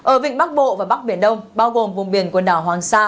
ở vịnh bắc bộ và bắc biển đông bao gồm vùng biển quần đảo hoàng sa